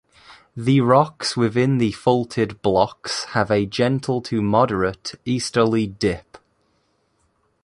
The rocks within the faulted blocks have a gentle to moderate easterly dip.